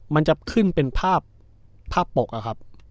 มันจะขึ้นเป็นภาพปกอะครับ